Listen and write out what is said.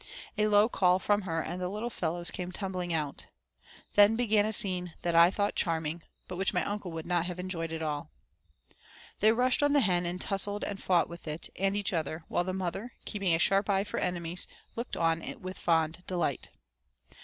A low call from her and the little fellows came tumbling out. Then began a scene that I thought charming, but which my uncle would not have enjoyed at all. They rushed on the hen, and tussled and fought with it, and each other, while the mother, keeping a sharp eye for enemies, looked on with fond delight.